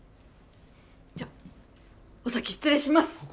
じゃお先失礼します。